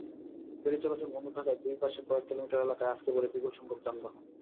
ফেরি চলাচল বন্ধ থাকায় দুই পাশে কয়েক কিলোমিটার এলাকায় আটকে পড়ে বিপুলসংখ্যক যানবাহন।